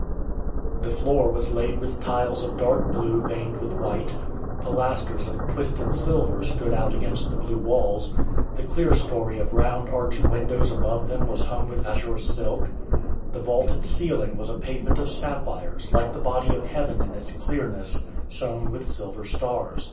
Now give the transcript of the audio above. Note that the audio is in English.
The floor was laid with tiles of dark blue veined with white; pilasters of twisted silver stood out against the blue walls; the clearstory of round arched windows above them was hung with azure silk; the vaulted ceiling was a pavement of sapphires, like the body of heaven in its clearness, sown with silver stars.